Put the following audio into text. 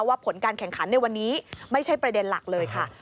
ผลการแข่งขันในวันนี้ไม่ใช่ประเด็นหลักเลยค่ะ